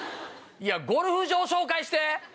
ゴルフ場紹介して！